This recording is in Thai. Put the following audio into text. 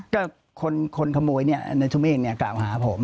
ก็คนขโมยเนี่ยเนื้อทุ่มเองกล่าวหาผม